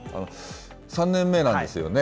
３年目なんですよね？